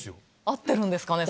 合ってるんですかね